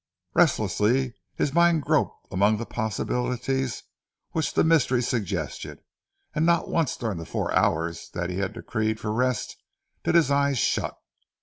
Restlessly his mind groped among the possibilities which the mystery suggested, and not once during the four hours that he had decreed for rest did his eyes shut.